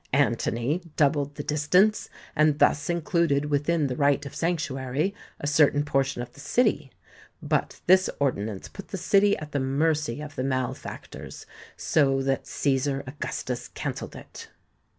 Antony doubled the distance and thus included within the right of sanctuary a certain por tion of the city; but this ordinance put the city at the mercy of the malefactors, so that Caesar Augustus cancelled it.